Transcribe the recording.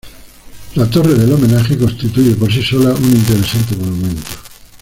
La torre del Homenaje constituye por sí sola un interesante monumento.